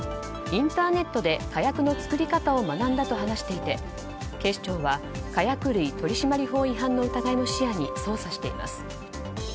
インターネットで火薬の作り方を学んだと話していて、警視庁は火薬類取締法違反の疑いも視野に捜査しています。